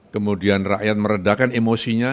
kemudian rakyat meredakan emosinya